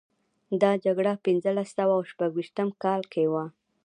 دا جګړه په پنځلس سوه او شپږویشتم کال کې وه.